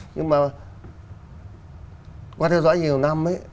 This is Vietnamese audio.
nhưng mà qua theo dõi nhiều năm ấy